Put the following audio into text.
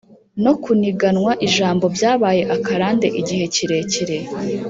no kuniganwa ijambo byabaye akarande igihe kirekire.